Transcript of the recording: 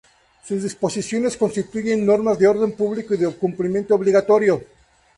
Sus disposiciones constituyen normas de orden público y de cumplimiento obligatorio.